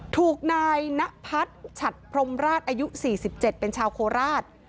ถูกนายนพัฒน์ฉัดพรมราชอายุ๔๗เป็นชาวโคราช